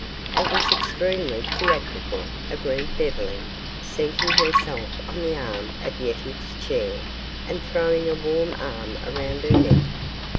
"It was extremely theatrical," agreed Beverly, seating herself on the arm of Yetive's chair and throwing a warm arm around her neck.